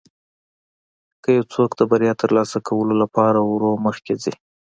که یو څوک د بریا ترلاسه کولو لپاره ورو مخکې ځي.